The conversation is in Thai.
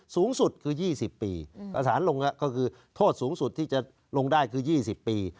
สูงสุดคือยี่สิบปีอืมประสานลงอ่ะก็คือโทษสูงสุดที่จะลงได้คือยี่สิบปี